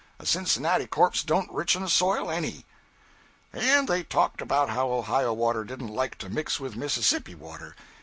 A Cincinnati corpse don't richen a soil any.' And they talked about how Ohio water didn't like to mix with Mississippi water.